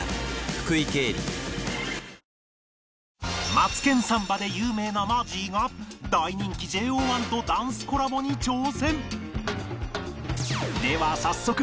『マツケンサンバ』で有名なマジーが大人気 ＪＯ１ とダンスコラボに挑戦！